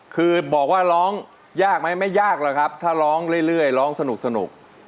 คือบอกว่าร้องยากไหมไม่ยากหรอกครับถ้าร้องเรื่อยร้องสนุก